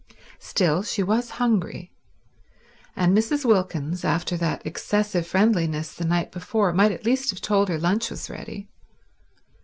Still, she was hungry; and Mrs. Wilkins, after that excessive friendliness the night before, might at least have told her lunch was ready.